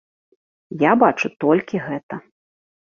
Я бачу толькі гэта.